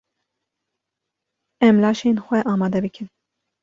Em laşên xwe amade bikin.